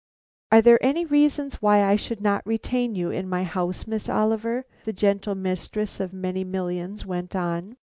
"Are there any reasons why I should not retain you in my house, Miss Oliver?" the gentle mistress of many millions went on.